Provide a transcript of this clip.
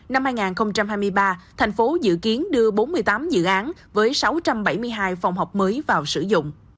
năm hai nghìn hai mươi ba thành phố dự kiến đưa bốn mươi tám dự án với sáu trăm bảy mươi hai phòng học mới vào sử dụng